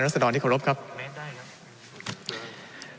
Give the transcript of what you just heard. รัศนิทรอดทรีย์ที่ควรมนตรงครับนะครับ